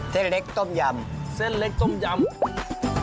เส้นเล็กต้มยำเส้นเล็กต้มยำ